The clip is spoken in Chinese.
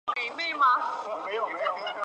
天方国也派遣大臣带方物随七人朝贡。